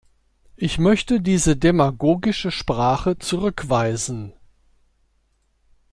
Ich möchte diese demagogische Sprache zurückweisen.